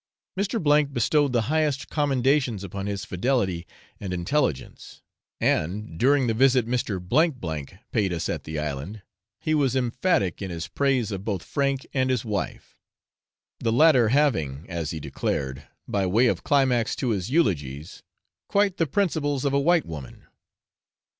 Mr. bestowed the highest commendations upon his fidelity and intelligence, and, during the visit Mr. R K paid us at the island, he was emphatic in his praise of both Frank and his wife, the latter having, as he declared, by way of climax to his eulogies, quite the principles of a white woman.